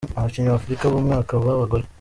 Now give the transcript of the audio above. Abakinyi ba Afrika b'umwaka mu bagore:.